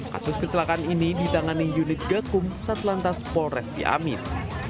kasus kecelakaan ini ditangani unit gakum satlantas polres ciamis